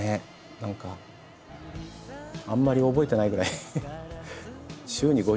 何かあんまり覚えてないぐらい。